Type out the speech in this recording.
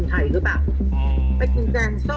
ดีมันไม่กินอย่างกินคนไทยจะได้กินของดีที่สุด